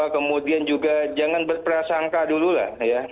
kemudian juga jangan berprasangka dulu lah ya